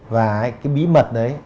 và cái bí mật đấy